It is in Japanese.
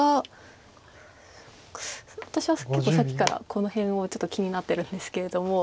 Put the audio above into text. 私は結構さっきからこの辺をちょっと気になってるんですけれども。